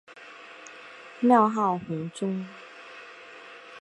庙号弘宗。